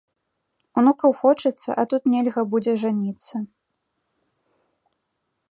Унукаў хочацца, а тут нельга будзе жаніцца.